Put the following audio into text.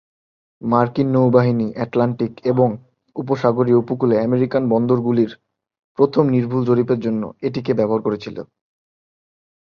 মার্কিন নৌবাহিনী আটলান্টিক এবং উপসাগরীয় উপকূলে আমেরিকান বন্দরগুলির প্রথম নির্ভুল জরিপের জন্য এটিকে ব্যবহার করেছিল।